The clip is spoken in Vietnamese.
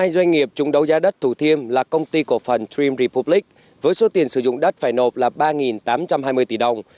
hai doanh nghiệp chung đấu giá đất thủ thiêm là công ty cổ phần dream re poplic với số tiền sử dụng đất phải nộp là ba tám trăm hai mươi tỷ đồng